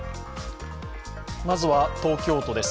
まずは東京都です。